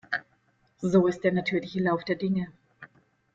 So ist der natürliche Lauf der Dinge.